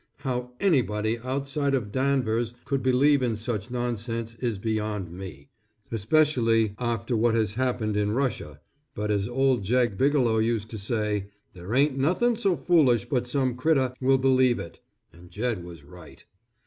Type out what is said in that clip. How anybody outside of Danvers could believe in such nonsense is beyond me, especially after what has happened in Russia, but as old Jed Bigelow used to say, "There ain't nothin' so foolish but some critter will believe it," and Jed was right.